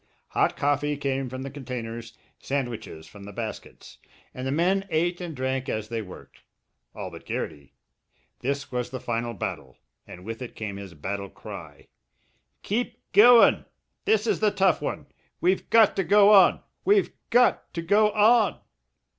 Hot coffee came from the containers, sandwiches from the baskets, and the men ate and drank as they worked all but Garrity. This was the final battle, and with it came his battle cry: "Keep goin'! This is the tough one we've got to go on we've got to go on!"